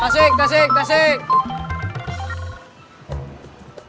tasik tasik tasik